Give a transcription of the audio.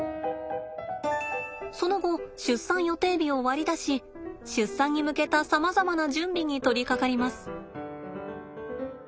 その後出産予定日を割り出し出産に向けたさまざまな準備に取りかかります。